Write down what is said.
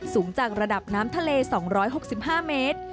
สูงจากระดับน้ำทะเล๒๖๕เมตร